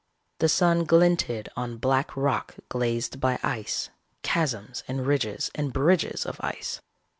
The sun glinted on black rock glazed by ice, chasms and ridges and bridges of ice.